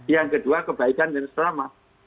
yang kedua kebaikan dan selamat